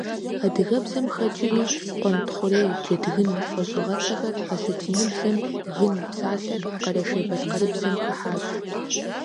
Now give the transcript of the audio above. Адыгэбзэм хэкӀри «къуэнтхъурей», «джэдгын» фӀэщыгъэцӀэхэр асэтиныбзэм, «гын» псалъэр къэрэшей-балъкъэрыбзэм хыхьащ.